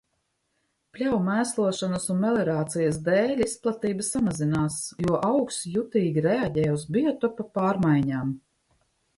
Pļavu mēslošanas un meliorācijas dēļ izplatība samazinās, jo augs jutīgi reaģē uz biotopa pārmaiņām.